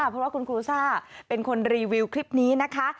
เพราะว่าคุณครูซ่าเป็นคนรีวิวคลิปนี้นะคะ